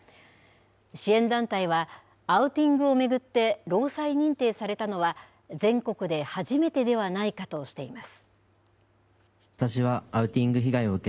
支援団体は、アウティングを巡って、労災認定されたのは、全国で初めてではないかとしています。